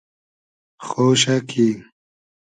خۉشۂ کی